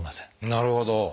なるほど。